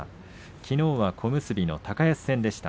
きのうは小結の高安戦でした。